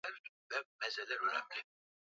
makabila kama baganda na nkole walidhani kuwa